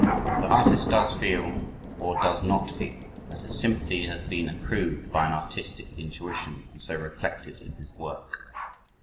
The artist does feel or does not feel that a sympathy has been approved by an artistic intuition and so reflected in his work.